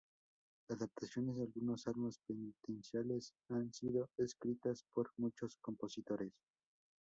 Adaptaciones de algunos salmos penitenciales han sido escritas por muchos compositores.